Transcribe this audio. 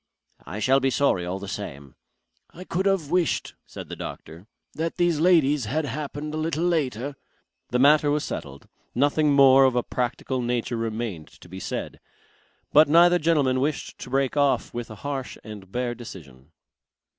"I shall be sorry all the same." "I could have wished," said the doctor, "that these ladies had happened a little later...." The matter was settled. Nothing more of a practical nature remained to be said. But neither gentleman wished to break off with a harsh and bare decision.